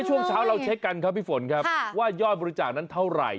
ช่วงเช้าเราเช็คกันครับพี่ฝนครับว่ายอดบริจาคนั้นเท่าไหร่